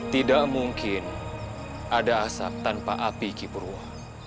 tidak mungkin ada asap tanpa api kipurua